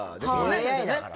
ＡＩだから。